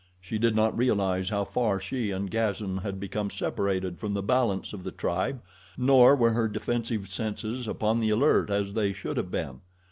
She did not realize how far she and Gazan had become separated from the balance of the tribe, nor were her defensive senses upon the alert as they should have been.